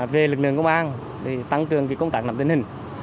về lực lượng công an thì tăng cường công tác nằm tên hình